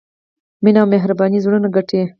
مینه او مهرباني زړونه ګټي.